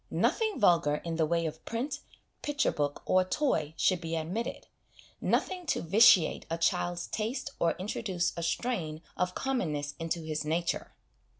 Nothing vulgar in the way of print, picture book, or toy should be admitted nothing to vitiate a child's taste or introduce a strain of commonness into his nature.